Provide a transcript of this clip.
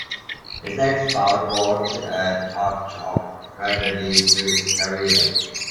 His next bout brought a touch of tragedy to his career.